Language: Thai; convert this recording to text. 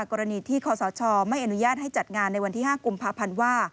กรณีที่คศไม่อนุญาตให้จัดงานในวันที่๕กภว